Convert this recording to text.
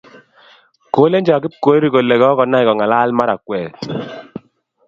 Kolechon Kipkorir kole kokonai kong'alal Markweta.